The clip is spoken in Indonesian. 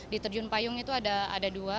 di terjun payung itu ada dua